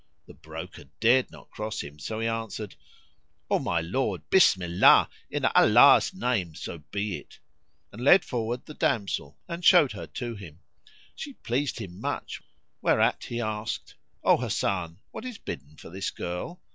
The broker dared not cross him, so he answered, "O my lord, Bismillah! in Allah's name so be it;" and led forward the damsel and showed her to him. She pleased him much whereat he asked, "O Hasan, what is bidden for this girl?"